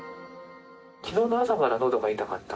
きのうの朝からのどが痛かった？